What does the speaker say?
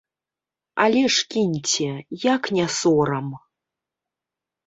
Але ж кіньце, як не сорам.